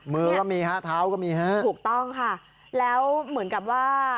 มือก็มีฮะเท้าก็มีฮะถูกต้องค่ะแล้วเหมือนกับว่า